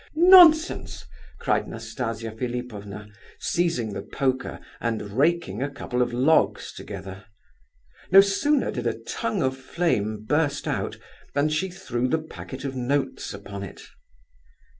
"Nonsense," cried Nastasia Philipovna, seizing the poker and raking a couple of logs together. No sooner did a tongue of flame burst out than she threw the packet of notes upon it.